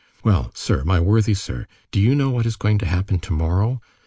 Well, sir, my worthy sir, do you know what is going to happen to morrow?